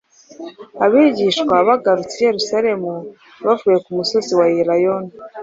Abigishwa bagarutse i Yerusalemu bavuye ku musozi wa Elayono,